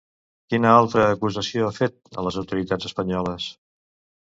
Quina altra acusació ha fet a les autoritats espanyoles?